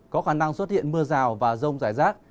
có khả năng xuất hiện mưa rào và rông rải rác